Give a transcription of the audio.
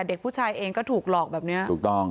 เด็กผู้ชายเองก็ถูกหลอกแบบเนี้ย